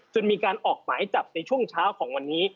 จนมีการออกหมายจับในช่วงเช้าของวันนี้